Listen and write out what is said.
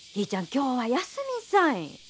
今日は休みんさい。